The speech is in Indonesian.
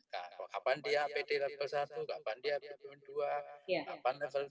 kapan dia apd level satu kapan dia bikin dua kapan level tiga